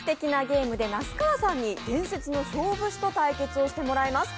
ゲームで那須川さんに伝説の勝負師と対決してもらいます。